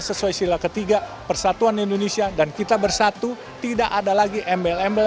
sesuai silat ketiga persatuan indonesia dan kita bersatu tidak ada lagi mbpl pri dan non priest di